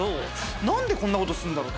「何でこんなことすんだろ？